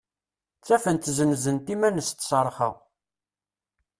Ttafent-d senzent iman-nsent s rrxa.